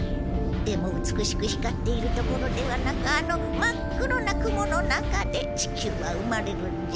でも美しく光っているところではなくあの真っ黒な雲の中で地球は生まれるんじゃ。